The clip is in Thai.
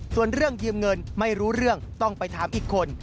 ส่วนเรื่องยืมเงินไม่รู้เรื่องต้องไปถามอีกคน